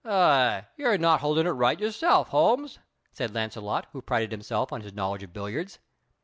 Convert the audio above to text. "Aw, you're not holding it right yourself, Holmes," said Launcelot, who prided himself on his knowledge of billiards.